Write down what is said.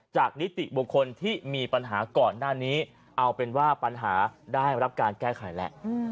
นิติบุคคลที่มีปัญหาก่อนหน้านี้เอาเป็นว่าปัญหาได้รับการแก้ไขแล้ว